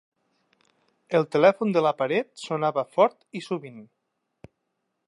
El telèfon de la paret sonava fort i sovint.